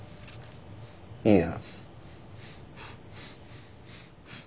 いや―」。